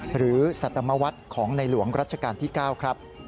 หรือสัตมวัตรของในหลวงรัชกาลที่๙ครับ